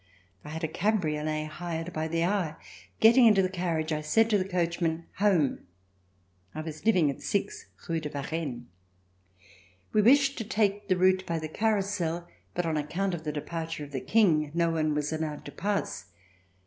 I had a cabriolet hired by the hour. Getting into the carriage, I said to the coachman: *'Home." I was THE FIRST RESTORATION living at 6 Rue dc Varenne. We wished to take the route by the Carrousel, but, on account of the de parture of the King, no one was allowed to pass.